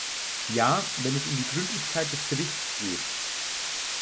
Ja, wenn es um die Gründlichkeit des Berichts geht.